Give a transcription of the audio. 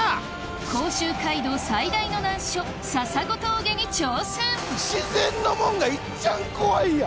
甲州街道最大の難所笹子峠に挑戦自然のもんがいっちゃん怖いやん！